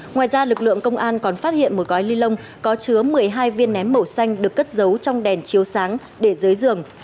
ngoài ra lực lượng công an còn phát hiện một gói ni lông có chứa một mươi hai viên nén màu xanh được cất giấu trong đèn chiếu sáng để dưới giường